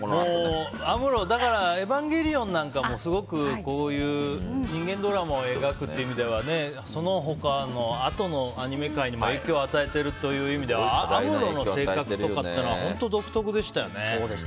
「エヴァンゲリオン」なんかもすごくこういう人間ドラマを描くという意味ではそのあとの他のアニメ界にも影響を与えてるというのはアムロの性格とかっていうのは本当独特でしたよね。